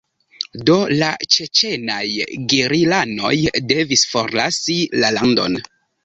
Do la ĉeĉenaj gerilanoj devis forlasi la landon.